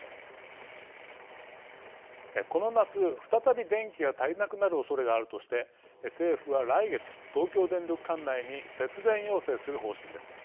この夏、再び電気が足りなくなるおそれがあるとして政府は来月、東京電力管内に節電要請する方針です。